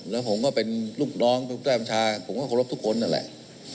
แล้วผมก็เป็นลูกน้องผู้ใต้บัญชาผมก็เคารพทุกคนนั่นแหละ